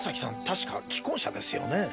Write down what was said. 確か既婚者ですよね？